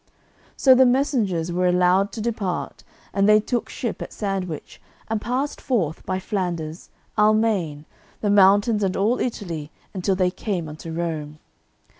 So the messengers were allowed to depart, and they took ship at Sandwich and passed forth by Flanders, Almaine, the mountains and all Italy until they came unto Rome.